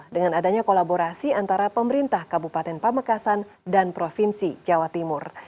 dengan adanya kolaborasi antara pemerintah kabupaten pamekasan dan provinsi jawa timur